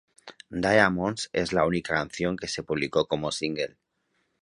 Diamonds es la única canción que se publicó como single.